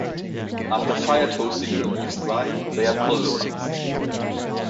After fire-toasting the leaves dry, they are pulverized.